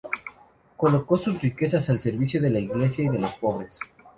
Colocó sus riquezas al servicio de la Iglesia y de los pobres.